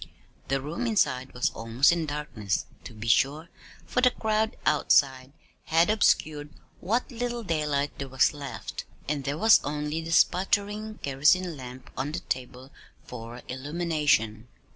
The room inside was almost in darkness, to be sure, for the crowd outside had obscured what little daylight there was left, and there was only the sputtering kerosene lamp on the table for illumination.